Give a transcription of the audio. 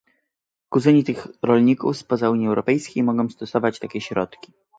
Kuzyni tych rolników spoza Unii Europejskiej mogą stosować takie środki